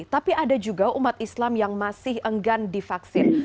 tapi ada juga umat islam yang masih enggan divaksin